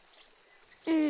うん。